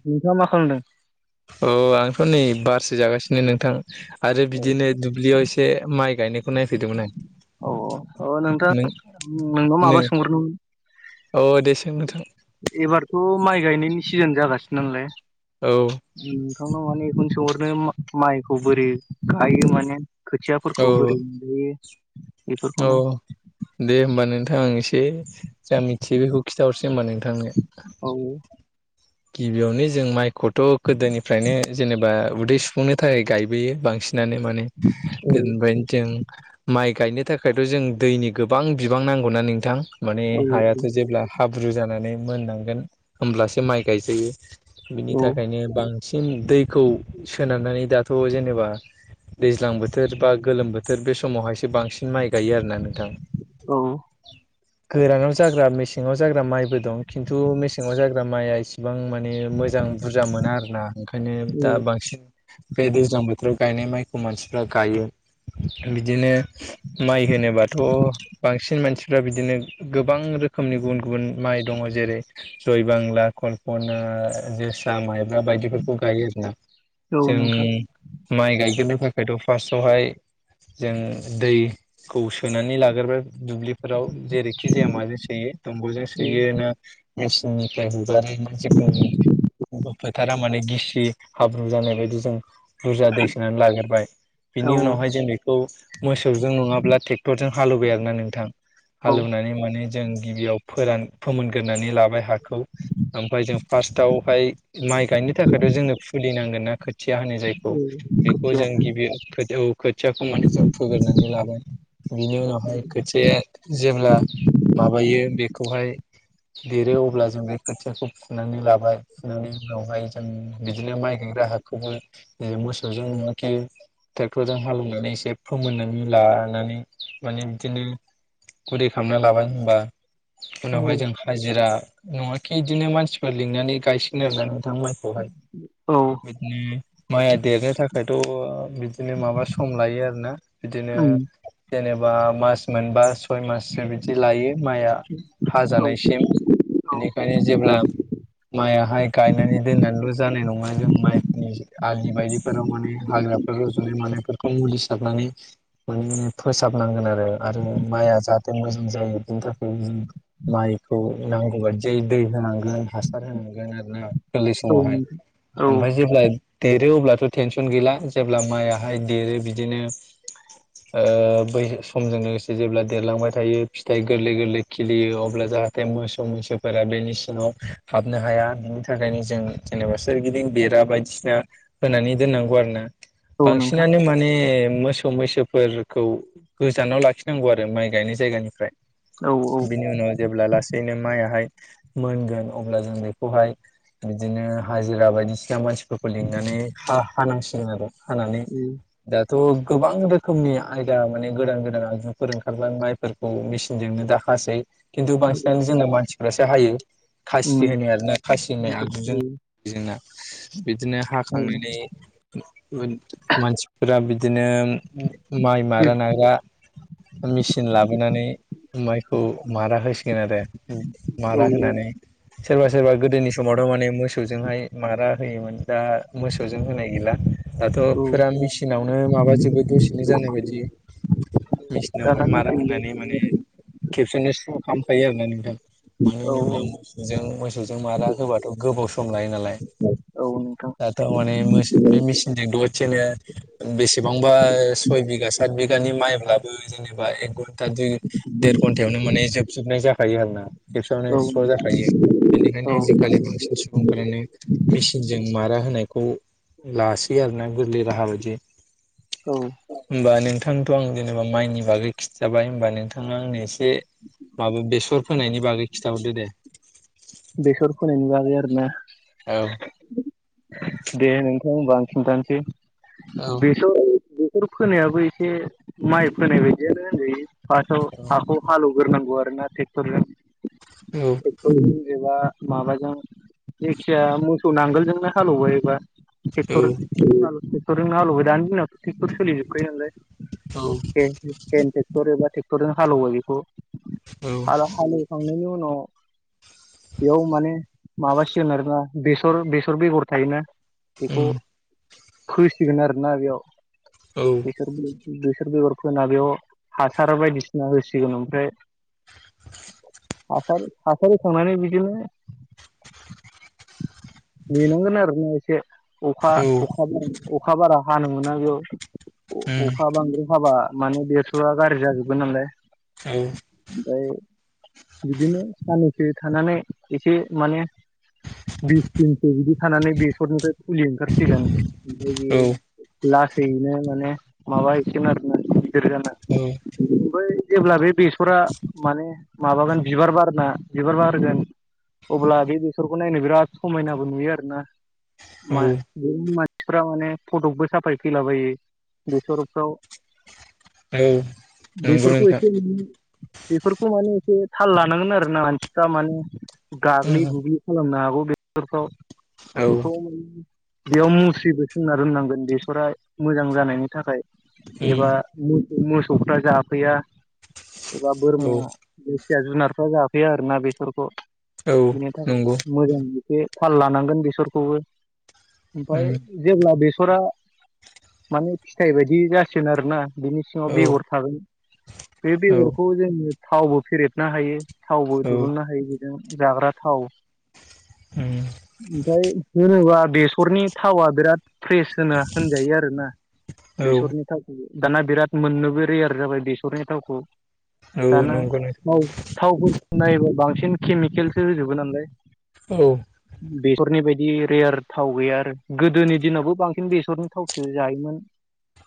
नोंथाङा मा खालामदों? औ आंथ' नै बारसो जागासिनो नोंथां आरो औ बिदिनो दुब्लियाव एसे माइ गायनायखौ नायफैदोंमोन आं। औ औ अ नोंथां नों नोंनाव माबा नों सोंग्रोनो अ दे सों नोंथां एबारथ' माइ गायनायनि सिजोन जागासिनो नालाय औ नोंथांनाव माने खौ सोंहरनो माइखौ बोरै गायो माने खोथियाफोरखौ बोरै औ मोनबोयो औ दे होमबा नोंथां आं एसे जा मिथियो बेखौ खिथाहरसै होनबा नों औ नोंथांनो गिबियावनो जों माइखौथ' गोदोनिफ्रायनो जेनेबा उदै सुफुंनो थाखाय गायबोयो बांसिन माने औ गोदोनिफ्रायनो जों माइ गायनो थाखायथ' जों दैनि गोबां बिबां नांगौना नोंथां माने औ हायाथ' जेब्ला हाब्रु जानानै मोननांगोन होमब्लासो माइ गायजायो बिनि औ थाखायनो बां सिम दैखौ सोनारनानै दाथ' जेनेबा दैज्लां बोथोर बा गोलोम बोथोर बे समावहायसो बांसिन माइ गायो आरोना नों औ गोरानाव जाग्रा मेसेङाव जाग्रा माइबो दं खिन्थु मेसेङाव जाग्रा माइआ एसे गोबां माने मोजां बुरजा मोना आर ना ओंखायनो दा बांसिन बे दैज्लां बोथोर फ्रुब् गायनाय माइखौ मानसिफ्रा गायो बिदिनो माइ होनोबाथ' बांसिन मानसिफ्रा बिदिनो गोबां रोखोमनि गुबुन गुबुन माइ दङ जेरै जयबांला कल अनो जोसा माइब्रा बायदिफोरखौ गायो आरोना औ जों नोंथां माइ गायग्रोनो थाखायथ' फारसआवहाय जों दैखौ सोनानै लाग्रोबाय दुब्लि फोराव जेरैखि जाया माजों सोयो दंग'जों सोयो ना मेसिननिफ्राय हुगारो जिखुनु फोथारा माने गिसि हाब्रु जानाय बायदि जों बुरजा दै सोनानै लाग्रोबाय औ बिनि उनावहाय जों बेखौ मोसौजों नङाब्ला ट्रेक्टरजों हालेवबाय आरोना नोंथां औ हालेवनानै माने जों गिबियाव फोरान फोमोनग्रोनानै लाबाय हाखौ ओमफ्राय जों फार्स्टआवहाय थिया होनो जायखौ बेखौ खोथिया जों गिबि औ खोथियाखौ माने जों फोग्रोनानै लाबाय बिनि उनावहाय खोथिया आ जेब्ला माबायो बेखौहाय देरो अब्ला जों बे खोथियाखौ फुनानै लाबाय फुनानै उनावहाय जों बिदिनो माइ गायग्रा हाखौबो मोसौ जों नङाखि ट्रेक्टरजों हालेवनानै एसे फोमोननानै लानानै माने बिदिनो गुरै खालामना लाबाय होनबा औ उनावहाय जों हाजिरा नङाखि बिदिनो मानसिफोर लिंनानै गायसिगोन आरो ना बिथां माइखौहाय औ बिदिनो माइया देरनो थाखायथ' बिदिनो माबा सम लायो आरोना बिदिनो उम जेनेबा मास मोनबा सय माससो बिदि लायो माइआ औ हाजानायसिम औ बिनिखायनो जेब्ला माइआाहाय गायनानै दोननानैल' जानाय नङा जों माइफोरनि आलि बायदिफोराव माने हा रुजुनाय मानायफोरखौ मुलि सारनानै मान फोसाबनांगोन आरो आरो माया जाहाथे मोजां जायो बिनि थाखाय जों माइखौ नांगौबायदि दै होनांगोन हासार होनांगोन आरो ना गोरलै समावहाय औ ओमफ्राय जेब्ला दे देरो अब्लाथ' टेनसन गैला जेब्ला माइआहाय देरो बिदिनो ओ बै समजों लोगोसे जेब्ला देरलांबाय थायो फिथाइ गोरलै गोरलै खिलियो अब्ला जों जाहाथे मोसौ मैसो फोरा बेनि सिनाव हाबनो हाया बिनि थाखायनो जों जेनेबा सोरगिदिं बेरा बायदिसिना होनानै दोननांगौ आरो ना औ नोंथां बांसिनानो माने मोसौ मैसोफोरखौ गोजानाव लाखिनांगौ आरो माइ गायनाय जायगानिफ्राय औ औ बिनि उनाव जेब्ला लासैनो माइआहाय मोनगोन अब्ला जों बेखौहाय बिदिनो हाजिरा बायदिसिना मानसि फोरखौ लिंनानै हा हानांसिगोन आरो हानानै दा थह गोबां रोखोमनि आयदा माने गोदान गोदान आगजुफोर ओंखारबा माइफोरखौ मेसिनजोंनो दाखां हासै खिन्थु बांसिनानो जोंना मानसिफ्रासो हायो। खासि उम होनो आरोोना खासि होननाय आगजुजों जोंना बिदिनो औ हाखांनायनि मानसिफोरा बिदिनो माइ मारा उम, नागा मेचिन लाबोनानै माइखौ मारा होस होसिगोन आरो औ मारा होनानै सोरबा सोरबा गोदोनि समावथ' माने मोसौजोंहाय मारा होयोमोन दा मोसौजों होनाय गैला दाथ' औ फोर मेसिनावनो माबााजोबो दसेनो जानाय बायदि दाना मेसिनावहाय मारा मिथिनो होनानै माने खेबसेनो खालामामखायो आरोना नोंथां मानो औ होनोब्ला मोसौजों मोसौजों मारा होबाथ' गोबाव सम सम लायो नालाय औ नोंथां दाथ' माने बे मेसिनजोंद बिनो बेसेबांबा सय बिगा सात बिगानि माइब्लाबो जेनेबा एगन दा दुइ देर घन्टायावनो माने जोबजोबनाय जाखायो आरो ना खेबसयावनो औ स्र' जाखायो औ बेनिखायनो आजिखालि बांसिन सुबुंफोरानो मेसिनजों मारा लाोना गोरलै राहा बायदि हबा नोंथ नोंथांथ' आं जेनेबा माइनि बागै खिजाबाय हबा नोंथाङा आंनो एसे माबा बेसर फोनायनि बागै खिथाहरदो दे बेसर फोनायनि बागै आरोना औ दे नोंख बांसिनथानोसै। बेस बेफोर फोनायाबो एसे माइ फोनाय बायदियानो होनजायो फासआव हाखौ हालौवग्रोनांगौ आरो ना ट्रेक्टरजों एबा माबाजों जायखिया मोसौ नांगोलजोंनो हालेवबायबा एबा औ ट्रेक्टर ट्रेक्टरजोंनो हालेवो दानि दिनाव ट्रेक्टर सोलि जोबखायो औ नालाय ट्रेक्टरबा ट्रेक्टरनोालोब बेखौ हला हालेवखांनायनि उनाव बेयाव माने माबासिगोन आरोोना बेसर बेसर बेगर थायोना बेखौ फोसिगोन आरोना बेयाव औ बिसोर बेसोर बेगर फोना बेयाव हासार बायदिसिना होसिगोन ओमफ्राय हासार हासारि संनानै बिदिनो नेनांगोन आर ना एसे अखा औ अखा अखा बारा हानो मोना बेयाव औ अखा बांद्रु हाबा माने बेरथ'आ गाज्रि जाजोबगोन नालाय औ ओमफ्राय बिदिनो साननैसो थानानै एसे माने बिस जोंस बिदि थानानै बेसरनिफ्राय फुलि ओंखारसिगोन ओमफ्राय औ बि लासैयैनो माने माबा एसे नोन आरोख औ। जेब्ला बे बेसरा माने माबागोन बिबार बारना बिबार बारगोन अब्ला बे बेसरखौ नायनो बिराद समायनाबो नुयो आरोना फ्रा माने फटकबो साफाय फैलाबायो बेसरफ्राव औ नंगौ बेफारखौ नोंथां एसे म बेफखौ मानि एसे थाल लानांगोन आरो ना मानसिफ्रा माने गाग्लि उम गुग्लि खालामनो हागौ बेफोरखौाव औ बेखौ' माने बेयाव मुस्रिबो सोंना रोंनांगोन बेसरा मोजां जानायनि थाखाय उम एबा मोसौफ्रा जाफैया एबा औ बोरमा जेथिया जुनारफ्रा जाफैयो आरोना बेसरखौ औ बिनि थाखाय नंगौ मोजां बे थाल लानांगोन बेसरखौबो ओमफफ्राय उम जेब्ला बेस बेथरा माने फिथाइ बायदि जासिगोन आरोना बिनि सिङाव औ बेगर थागोन बे औ बेगरखौ जोङो थावबो फेरेबनो हायो थावबो उम दुरुंनो हायो बेजों जाग्रा थाव ओमफ्राय होनोबा बेसरनि थावा बिराद फ्रेस होना होनजायो आरो ना औ बेसरनि थावखौ दाना बिराद मोननोबो रेयार जाबाय बेसरनि थावखौ औ दाना नंगौ नोंथां थ थाव नायोबा बांसिन केमिकेलसो होजोबगोन नालाय औ फोरनि बायदि रेयार थाव गैया आरो गोदोनि दिनावबो बांसिन बेसरनि थावसो जायोमोन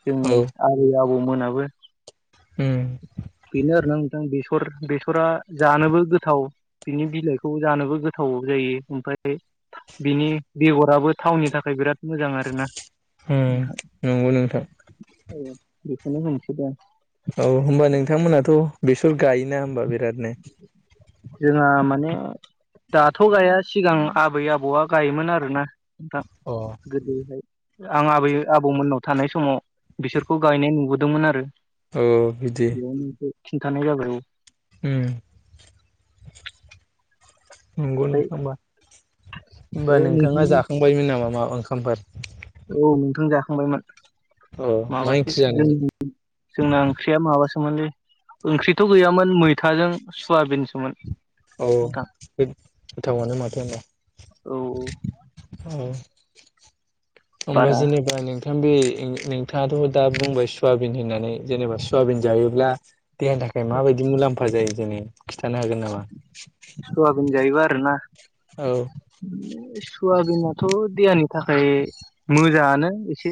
जोंनि औ आबै आबौमोनाबो उम बेनो आरो ना नोंथां बे स फोर बेसरा जानोबो गोथाव बिनि बिलाइखौ जानोबो गोथाव जायो ओमफाय बिनि बेगराबो थावननि थाखाय बिराद मोजां आरोना उम नोंथां नंगौ नोंथां [unintelligible] खोनो होननोसै दां औ होमबा नोंथांमोनाथ बेसर गायोना होमबा बिरादनो जोंहा माने दाथ' गाया सिगां आबै आबौआ गायोमोन आरोना नोंथां अ गोदोहाय। आं आबै आबौमोननाव थानाय समाव बिसोरखौ गायनाय नुबोदोंमोन आरो। ओ बिदि बेयावनो एसे खिन्थानाय जाबाय उम नोंगौ ओमफ्राय नोंथांबा बे होमबा नोंथाङा नोंथां जाखांबायमोन नामा माबा ओंखामफोर औ नोंथां जाखांबायमोन अ मा माबासो ओंख्रि जानायमोन जोंनि जोंना ओंख्रिया माबासो [unintelligible] ओंख्रिथ गैयामोन मैथाजों सयाबिनसोमोन औ बे गोथावानो माथो होनबा औ [unintelligible] ओमफाय बारा जेनेबा नोंथां बे [unintelligible] नोंथाङाथ दा बुंबाय सयाबिन होननानै जेनेबा सयाबिन जायोब्ला देहानि थाखाय माबायदि मुलाम्फा जायो जेने खिथानो हागोन नामा? सुवाबिन जायोबा आरो ना औ सयाबिनाथ देहानि थाखाय मोजाङानो एसे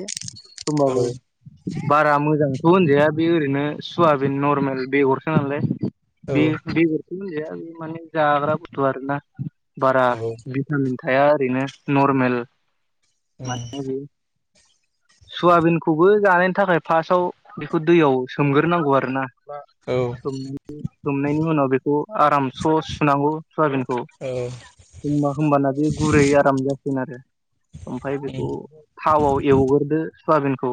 औ होमबाबो बारा मोजां खौ‌ होनजाया बे ओरैनो सुवाबिन नरमेल बेगरसो नालाय बे बेगरथ होनजाया बे माने जाग्रा बुथ आरोना बारा औ भिटामिन थाया ओरैनो नरमेल उम सयाबिनखौबो जानायनि थाखाय फासआव बेखौ दैयाव सोमग्रोनांगौ आरो ना बा [unintelligible] सोमनायनि उनाव बेखौ आराम स्र सुनांगौ सयाबिनखौ होनबा होमबाना बे गुरै आराम जासिगोन आरो ओमफाय बेखौ थावआव एवगोरदो सआबिनखौ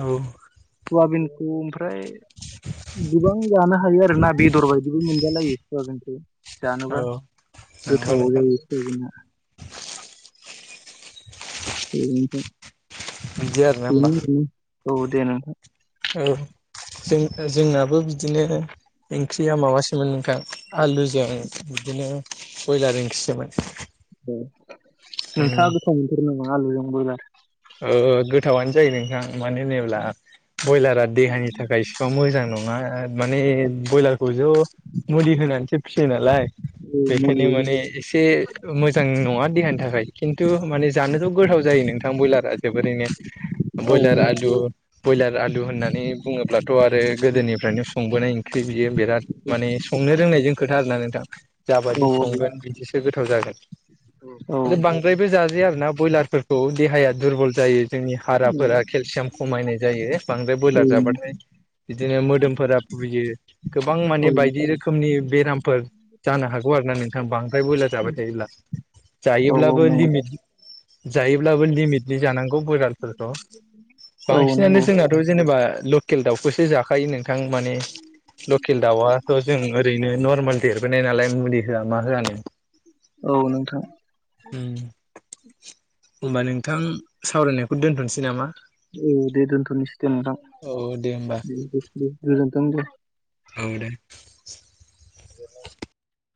औ सवाबिनखौ ओमफ्राय गोबां जानो हायो आरो ना बेदर बायदिबो मोनजालायो सुवाबिनखो जानोबा औ नंगौ गोथाव नोंथां [unintelligible] [unintelligible] बिदि आरोना होमबा औ दे नोंथां औ जों ओ जोंनाबो बिदिनो ओंख्रिया माबासोमोन नोंथां आलुजों बिदिनो बयलार ओंख्रिसोमोन उम उम नोंथाङा गोथाव मोनथारो नामा आलुजों बयलार? ओ‌ गोथावानो जायो नोंथां। मानो होनोब्ला बयलारा देहानि थाखाय इसिबां मोजां नङा माने बयलारखौ ज मुलि होनानैसो फियो नालाय उम बेखायनो माने एसे मोजां नङा देहानि थाखाय खिन्थु माने जानोथ गोथाव जायो नोंथां बयलार ओ जोबोरैनो बयलार आलु बयलार आलु होननानै बुङोब्लाथ आरो गोदोनिफ्रायनो संबोनाय ओंख्रि बियो बिराद माने संनो रोंनायजों खोथा आरोना नोंथां जाबायदि औ संगोन बिदिसो गोथाव जागोन आरो बांद्रायबो जाजाया आरो ना बयलारफोरखौ देहाया दुरबल जायो। जोंनि हाराफोरा केलसियाम खमायनाय जायो बांद्राय ब्रयलार जाबाथाय। बिदिनो मोदोमफोरा बुयो गोबां माने बायदि औ रोखोमनि बेरामफोर जानो हागौ आरोना नों थां बांद्रायबोयला जाबाय थायोब्ला औ औ जायोब्लाबो नंगौ लिमिट जायोब्लाबो लिमिट नि जांगौ बफोरखौ औ बांसिनानो नंगौ जोंनाथ' जेनेबा बा लकेल दाउखौसो जाखायो नोंथां माने लकेल दाउआथ' जों ओरैनो नरमेल देरबोनाय नालाय मुलि होआ मा होआनो। औ नोंथां। होमबा नोंथां सावरायनायखौ दोनथ'नोसै नामा? औ दे दोनथ'नोसै दे नोंथां औ दे होमबा गोजोनथों दे। औ दे।